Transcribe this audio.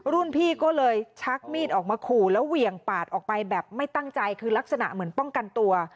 รุ่นพี่ก็เลยชักมีดออกมาขู่แล้วเหวี่ยงปาดออกไปแบบไม่ตั้งใจคือลักษณะเหมือนป้องกันตัว